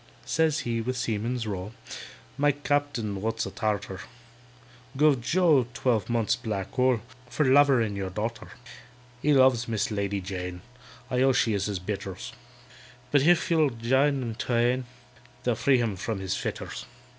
Says he, with seaman's roll, "My Captain (wot's a Tartar) Guv JOE twelve months' black hole, For lovering your darter. "He loves MISS LADY JANE (I own she is his betters), But if you'll jine them twain, They'll free him from his fetters.